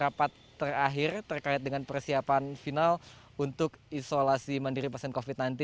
rapat terakhir terkait dengan persiapan final untuk isolasi mandiri pasien covid sembilan belas